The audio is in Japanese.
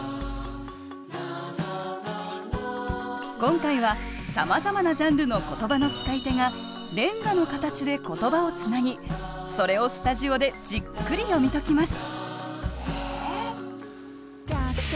今回はさまざまなジャンルの言葉の使い手が連歌の形で言葉をつなぎそれをスタジオでじっくり読み解きます。